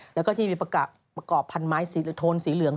แล้วก็จะมีประกอบพันธุ์ไม้โทนสีเหลือง